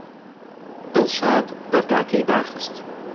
دڵشاد دەرگاکەی داخست.